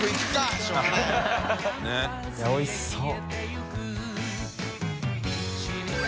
佑Аいやおいしそう。